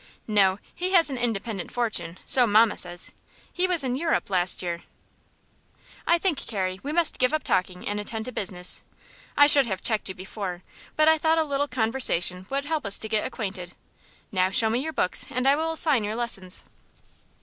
"No; he has an independent fortune, so mamma says. He was in Europe last year." "I think, Carrie, we must give up talking and attend to business. I should have checked you before, but I thought a little conversation would help us to get acquainted. Now show me your books, and I will assign your lessons."